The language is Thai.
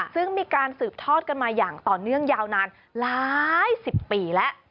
ซึ่งมีการสืบทอดกันมาอย่างต่อเนื่องยาวนานหลายสิบปีแล้ว